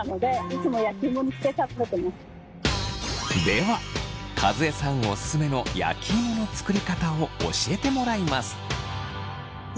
では和江さんオススメの焼き芋の作りかたを教えてもらいます。